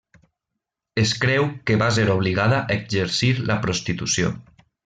Es creu que va ser obligada a exercir la prostitució.